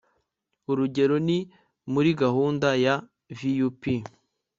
urugero ni muri gahunda ya vup